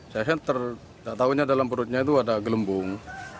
saya senter tak tahunya dalam perutnya itu ada gelembung